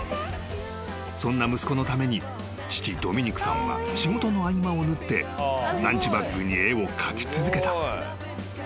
［そんな息子のために父ドミニクさんは仕事の合間を縫ってランチバッグに絵を描き続けた］